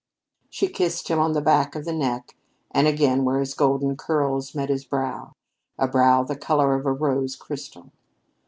She kissed him in the back of the neck, and again where his golden curls met his brow a brow the color of a rose crystal.